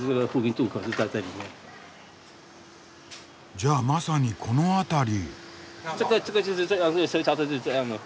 じゃあまさにこの辺り。